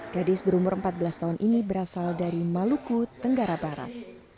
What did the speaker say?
gadis berumur empat belas tahun ini berasal dari maluku tenggara barat